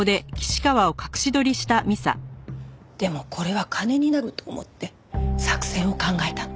でもこれは金になると思って作戦を考えたの。